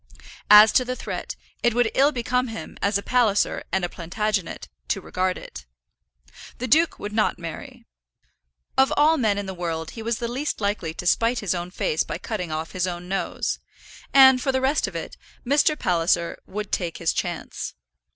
As to the threat, it would ill become him, as a Palliser and a Plantagenet, to regard it. The duke would not marry. Of all men in the world he was the least likely to spite his own face by cutting off his own nose; and, for the rest of it, Mr. Palliser would take his chance.